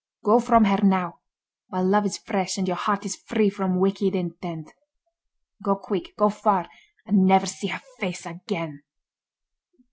Go from her now, while love is fresh and your heart is free from wicked intent. Go quick—go far, and never see her face again!"